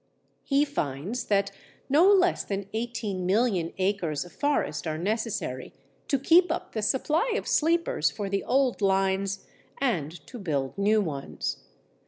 He finds that no less than 18,000,000 acres of forest are necessary to keep up the supply of sleepers for the old lines and to build new ones.